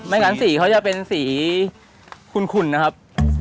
งั้นสีเขาจะเป็นสีขุนนะครับ